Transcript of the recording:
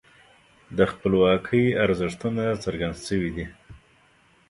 د خپلواکۍ ارزښتونه څرګند شوي دي.